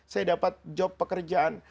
saya dapat pekerjaan